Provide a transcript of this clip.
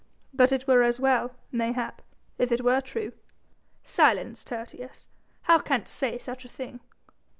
But it were as well, mayhap, if it were true." "Silence, Tertius, how canst say such a thing."